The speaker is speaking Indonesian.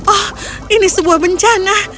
oh ini sebuah bencana